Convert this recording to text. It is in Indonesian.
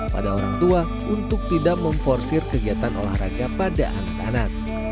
pada orang tua untuk tidak memforsir kegiatan olahraga pada anak anak